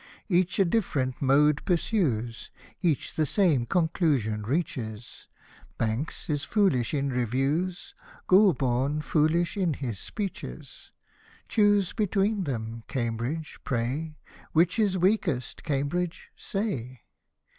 Each a different mode pursues, Each the same conclusion reaches ; B — kes is foolish in Reviews, G — lb — n, foolish in his speeches. Choose between them, Cambridge, pray. Which is weakest, Cambridge, say.